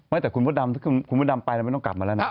แต่คุณมดดำถ้าคุณมดดำไปแล้วไม่ต้องกลับมาแล้วนะ